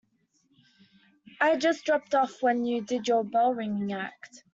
I had just dropped off when you did your bell-ringing act.